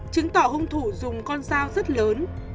chứng tỏ hung thủ dùng con dao rất lớn